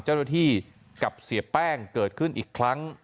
เจ้าหน้าที่กับเสียแป้งเกิดขึ้นอีกครั้ง